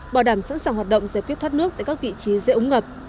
bảo đảm sẵn sàng hoạt động giải quyết thoát nước tại các vị trí dễ ứng ngập